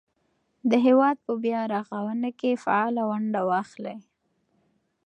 د هېواد په بیا رغونه کې فعاله ونډه واخلئ.